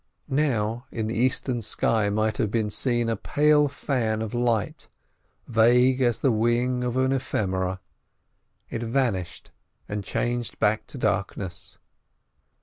Now in the eastern sky might have been seen a pale fan of light, vague as the wing of an ephemera. It vanished and changed back to darkness.